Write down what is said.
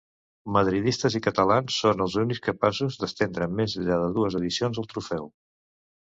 Madridistes i catalans són els únics capaços d'estendre més enllà de dues edicions el trofeu.